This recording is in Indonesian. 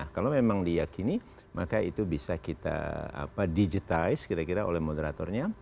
kalau memang diyakini maka itu bisa kita digitize kira kira oleh moderatornya